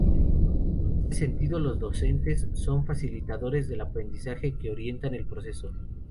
En este sentido, los docentes son facilitadores del aprendizaje que orientan el proceso.